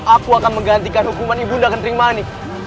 aku akan menggantikan hukuman ibu ndakan tringmani